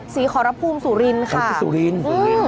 สีคอรภูมิสุรินทร์ข้างก็สุรินทร์